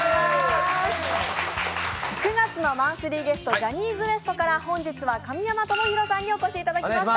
９月のマンスリーゲスト、ジャニーズＷＥＳＴから本日は神山智洋さんにお越しいただきました。